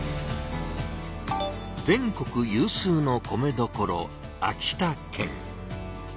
全国有数の米どころ秋田県。